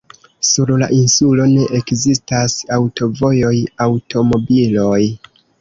Sur la insulo ne ekzistas aŭtovojoj, aŭtomobiloj.